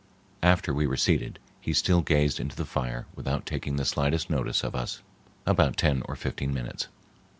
After we were seated, he still gazed into the fire without taking the slightest notice of us for about ten or fifteen minutes.